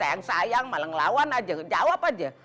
sayang sayang malah ngelawan aja ngejawab aja